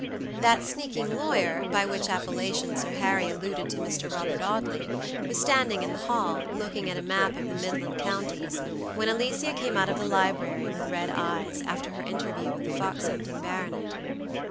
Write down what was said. That sneaking lawyer, by which appellation Sir Harry alluded to Mr. Robert Audley, was standing in the hall, looking at a map of the midland counties, when Alicia came out of the library, with red eyes, after her interview with the fox hunting baronet.